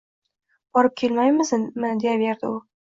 Borib kelmaymizmi deyaverardi u.